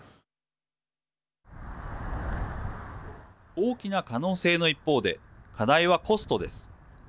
大きな可能性の一方で課題はコストです。